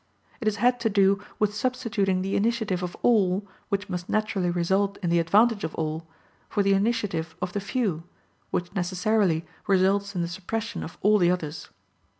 It has had to do with substituting the initiative of all, which must naturally result in the advantage of all, for the initiative of the few, which necessarily results in the suppression of all the others.